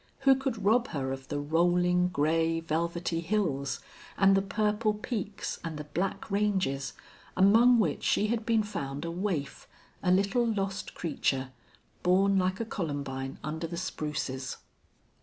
Who could rob her of the rolling, gray, velvety hills, and the purple peaks and the black ranges, among which she had been found a waif, a little lost creature, born like a columbine under the spruces?